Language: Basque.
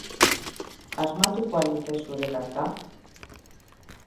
Asmatuko al dute zure karta?